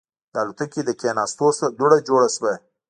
د الوتکې له کېناستو دوړه جوړه شوه.